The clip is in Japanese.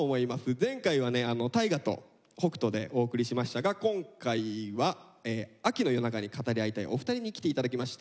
前回はね大我と北斗でお送りしましたが今回は秋の夜長に語り合いたいお二人に来て頂きました。